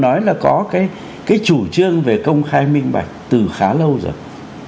mà nói là có cái chủ trương về công khai minh mạch từ khá lâu rồi